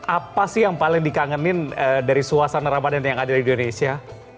apa sih yang paling dikangenin dari suasana ramadan yang ada di indonesia